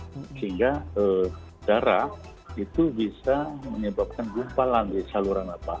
sehingga darah itu bisa menyebabkan gumpalan di saluran apa